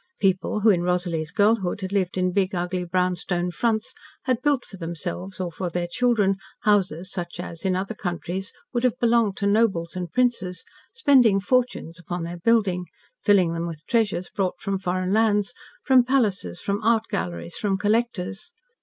People who in Rosalie's girlhood had lived in big ugly brownstone fronts, had built for themselves or for their children, houses such as, in other countries, would have belonged to nobles and princes, spending fortunes upon their building, filling them with treasures brought from foreign lands, from palaces, from art galleries, from collectors.